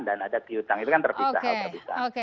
dan ada piusang itu kan terpisah hal terpisah